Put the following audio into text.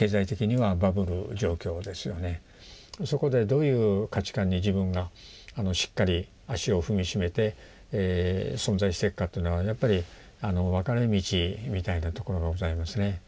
そこでどういう価値観に自分がしっかり足を踏み締めて存在していくかというのはやっぱり分かれ道みたいなところがございますね。